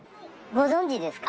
ご存じですか？